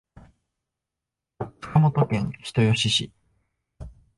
熊本県人吉市